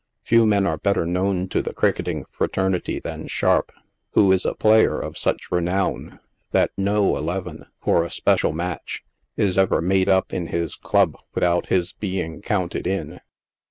Few men are better known to the cricketing fraternity than Sharp, who is a player of such renown, that no " eleven," for a special match, is ever made up in his club without his being counted in.